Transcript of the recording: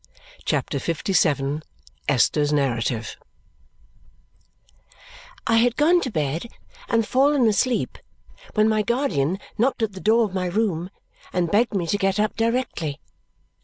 CHAPTER LVII Esther's Narrative I had gone to bed and fallen asleep when my guardian knocked at the door of my room and begged me to get up directly.